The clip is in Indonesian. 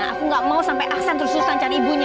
aku nggak mau sampai aksan terus susah cari ibunya